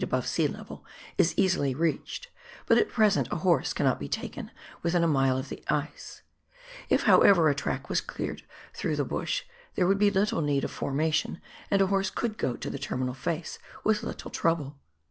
above sea level, is easily reached, but at present a horse cannot be taken within a mile of the ice ; if, however, a track was cleared through the bush, there would be little need of formation, and a horse could go to the terminal face with little trouble.